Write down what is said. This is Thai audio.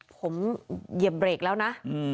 ผมเหยียบเบรกแล้วนะ